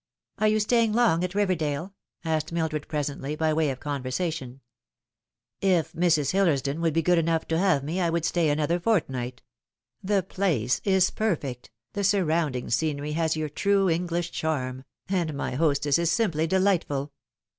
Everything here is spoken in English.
"Are you staying long at Riverdale?" asked Mildred presently, by way of conversation. " If Mrs. Hillersdon would be good enough to have me, I would stay another fortnight, The place is perfect, the surround ing scenery has your true English charm, and my hostess is simply delightful."